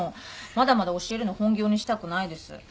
まだまだ教えるの本業にしたくないです。